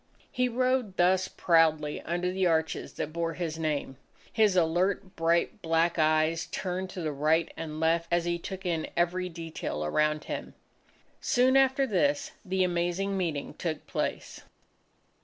He rode thus proudly under the arches that bore his name. His alert, bright, black eyes turned to the right and left as he took in every detail around him. Soon after this, the Amazing Meeting took place.